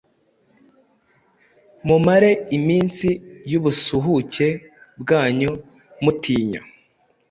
Mumare iminsi y’ubusuhuke bwanyu mutinya.